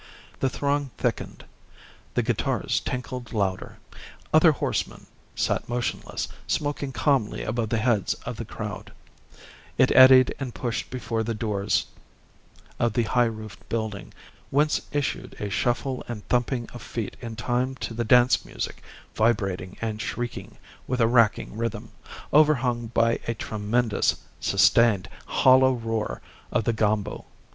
The throng thickened; the guitars tinkled louder; other horsemen sat motionless, smoking calmly above the heads of the crowd; it eddied and pushed before the doors of the high roofed building, whence issued a shuffle and thumping of feet in time to the dance music vibrating and shrieking with a racking rhythm, overhung by the tremendous, sustained, hollow roar of the gombo.